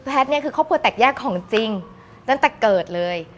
แพทย์นี้คือเขาเปิดแตกแยกของจริงตั้งแต่เกิดเลย